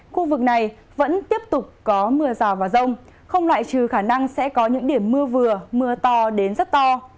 khu vực này vẫn tiếp tục có mưa rào và rông không loại trừ khả năng sẽ có những điểm mưa vừa mưa to đến rất to